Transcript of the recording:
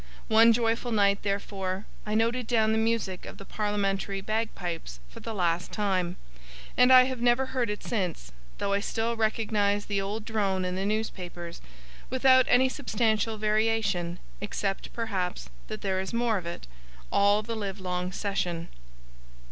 One joyful night, therefore, I noted down the music of the parliamentary bagpipes for the last time, and I have never heard it since; though I still recognize the old drone in the newspapers, without any substantial variation (except, perhaps, that there is more of it), all the livelong session.